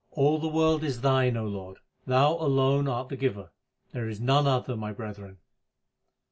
All the world is Thine, O Lord ; Thou alone art the Giver ; there is none other, my brethren.